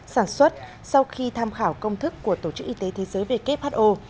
sản xuất sau khi tham khảo công thức của tổ chức y tế thế giới who